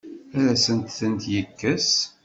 Ad asent-tent-yekkes?